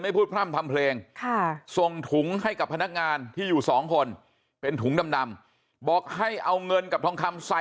พูดพร่ำทำเพลงส่งถุงให้กับพนักงานที่อยู่สองคนเป็นถุงดำบอกให้เอาเงินกับทองคำใส่